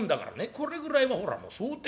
これぐらいはほらもう想定